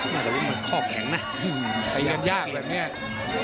น่าจะวิ่งมันข้อแข็งนะยังยากแบบเนี้ย